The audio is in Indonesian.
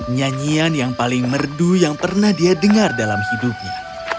nyanyian yang paling merdu yang pernah dia dengar dalam hidupnya